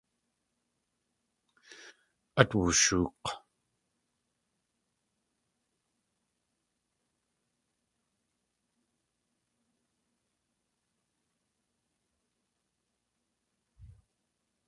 At wooshook̲.